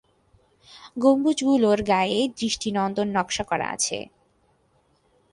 গম্বুজ গুলোর গায়ে দৃষ্টিনন্দন নকশা করা আছে।